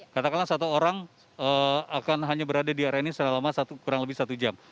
katakanlah satu orang akan hanya berada di area ini selama kurang lebih satu jam